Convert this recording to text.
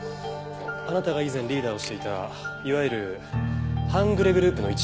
あなたが以前リーダーをしていたいわゆる半グレグループの一員だった男です。